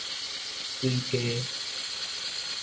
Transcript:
水雞